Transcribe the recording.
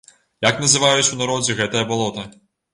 Як называюць у народзе гэтае балота?